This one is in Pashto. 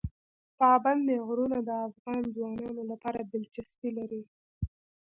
پابندی غرونه د افغان ځوانانو لپاره دلچسپي لري.